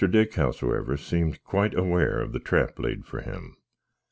Dick, howsever, seamed quite aware of the trap laid for him.